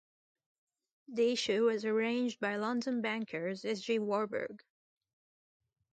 The issue was arranged by London bankers S. G. Warburg.